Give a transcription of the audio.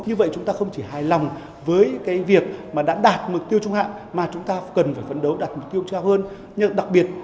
như vậy chúng ta không chỉ hài lòng với việc đã đạt mục tiêu trung hạn mà chúng ta cần phải phấn đấu đạt mục tiêu cao hơn